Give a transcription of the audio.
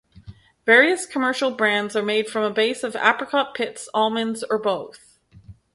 Various commercial brands are made from a base of apricot pits, almonds, or both.